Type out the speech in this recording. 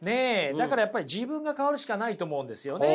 だからやっぱり自分が変わるしかないと思うんですよね。